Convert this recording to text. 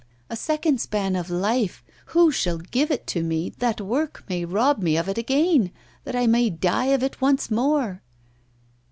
a second span of life, who shall give it to me, that work may rob me of it again that I may die of it once more?